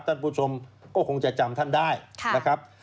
ท่านผู้ชมก็คงจะจำท่านได้นะครับ